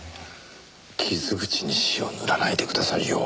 傷口に塩塗らないでくださいよ。